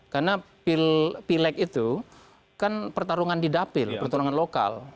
karena pilek itu kan pertarungan didapil pertarungan lokal